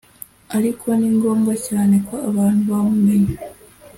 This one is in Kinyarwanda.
ariko ni ngombwa cyane ko abantu bamumenye